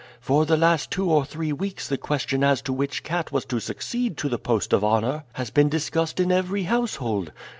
For the last two or three weeks the question as to which cat was to succeed to the post of honor has been discussed in every household.